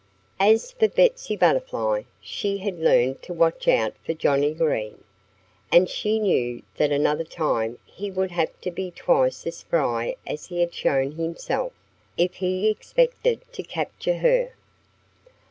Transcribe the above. As for Betsy Butterfly, she had learned to watch out for Johnnie Green. And she knew that another time he would have to be twice as spry as he had shown himself, if he expected to capture her.